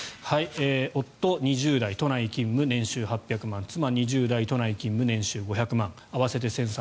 夫、２０代、都内勤務年収８００万円妻、２０代、都内勤務年収５００万円合わせて１３００万